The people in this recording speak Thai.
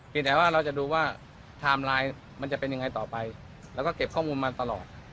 แต่ว่าเราจะดูว่าไทม์ไลน์มันจะเป็นยังไงต่อไปแล้วก็เก็บข้อมูลมาตลอด